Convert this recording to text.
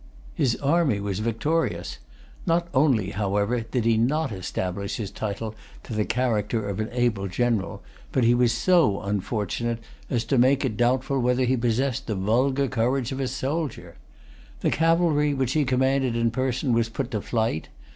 His army was victorious. Not only, however, did he not establish his title to the character of an able general; but he was so unfortunate[Pg 264] as to make it doubtful whether he possessed the vulgar courage of a soldier. The cavalry, which he commanded in person, was put to flight.